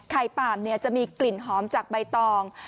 ป่ามจะมีกลิ่นหอมจากใบตอง